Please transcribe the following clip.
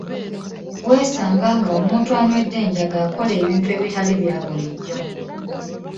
Weesanga nga omuntu anywedde enjaga akola ebintu ebitali bya bulijjo.